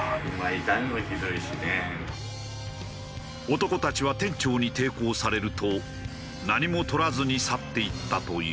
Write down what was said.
男たちは店長に抵抗されると何も取らずに去っていったという。